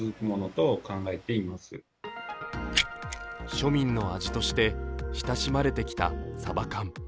庶民の味として親しまれてきたサバ缶。